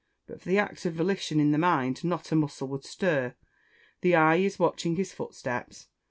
But for the act of volition in the mind, not a muscle would stir. The eye is watching his footsteps.